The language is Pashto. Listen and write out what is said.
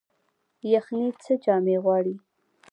یخني څه جامې غواړي؟